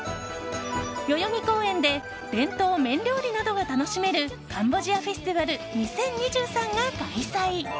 代々木公園で伝統麺料理などが楽しめるカンボジアフェスティバル２０２３が開催。